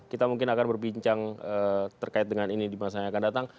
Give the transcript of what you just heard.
kita mungkin akan berbincang terkait dengan ini di masa yang akan datang